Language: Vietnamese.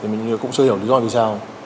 mình cũng chưa hiểu lý do vì sao